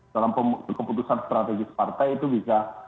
dalam keputusan strategis partai itu bisa